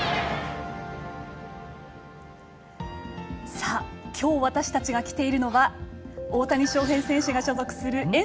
さあきょう私たちが来ているのは大谷翔平選手が所属するエンジェルスの本拠地。